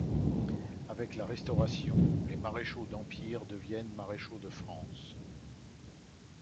Avec la Restauration, les maréchaux d’Empire deviennent maréchaux de France.